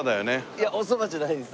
いやおそばじゃないです。